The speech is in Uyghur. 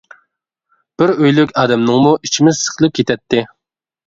بىر ئۆيلۈك ئادەمنىڭمۇ ئىچىمىز سىقىلىپ كېتەتتى.